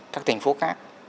các tỉnh phố khác